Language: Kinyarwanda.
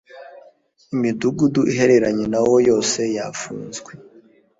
imidugudu ihereranye na ho yose yafunzwe